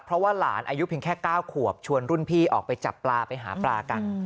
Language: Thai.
เพราะว่าหลานอายุเพียงแค่๙ขวบชวนรุ่นพี่ออกไปจับปลาไปหาปลากัน